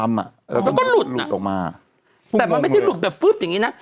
แล้วก็หลุดน่ะออกมาแต่มันไม่ได้หลุดแบบฟึ๊บอย่างนี้นะ